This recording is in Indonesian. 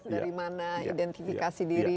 dari mana identifikasi diri